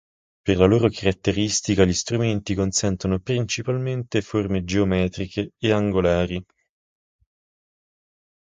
Per la loro caratteristica gli strumenti consentono principalmente forme geometriche e angolari.